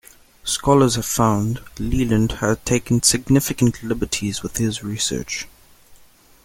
Scholars have found Leland had taken significant liberties with his research.